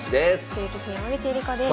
女流棋士の山口恵梨子です。